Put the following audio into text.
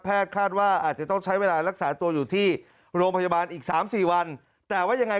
คาดว่าอาจจะต้องใช้เวลารักษาตัวอยู่ที่โรงพยาบาลอีกสามสี่วันแต่ว่ายังไง